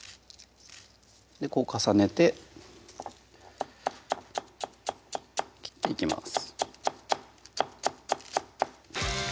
こう重ねて切っていきます